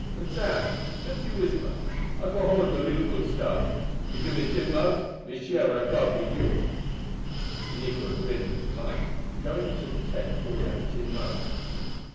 And Sam, jus you whisper I got hold of a little good stuff. You gib me tin mug; me share what I hab got wid you." The negro grinned with delight, and going into the tent brought out a tin mug.